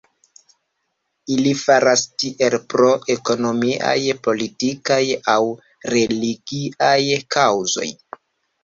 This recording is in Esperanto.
Ili faras tiel pro ekonomiaj, politikaj aŭ religiaj kaŭzoj.